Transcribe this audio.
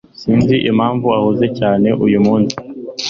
Sinzi impamvu ahuze cyane uyumunsi.